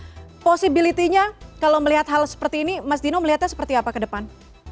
jadi posibilitinya kalau melihat hal seperti ini mas dino melihatnya seperti apa ke depan